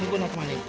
ini gue naik kemana